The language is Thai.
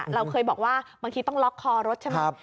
เราเคยบอกว่าบางทีต้องล็อกคอรถใช่ไหม